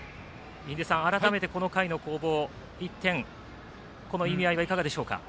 改めてこの回の攻防、１点この意味合いはいかがでしょうか。